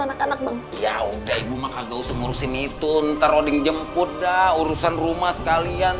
anak anak bang ya udah ibu maka gausah ngurusin itu ntaroding jemput dah urusan rumah sekalian